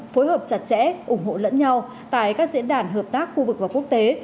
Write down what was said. phối hợp chặt chẽ ủng hộ lẫn nhau tại các diễn đàn hợp tác khu vực và quốc tế